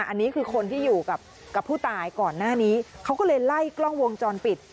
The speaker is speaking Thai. อันนี้คือคนที่อยู่กับผู้ตายก่อนหน้านี้เขาก็เลยไล่กล้องวงจรปิด